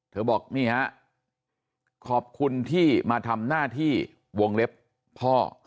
บอกนี่ฮะขอบคุณที่มาทำหน้าที่วงเล็บพ่อ